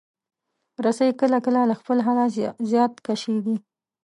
رسۍ کله کله له خپل حده زیات کشېږي.